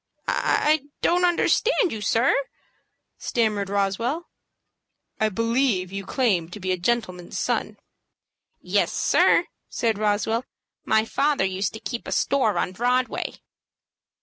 "I don't understand you, sir," stammered Roswell. "I believe you claim to be a gentleman's son." "Yes, sir," said Roswell. "My father used to keep a store on Broadway."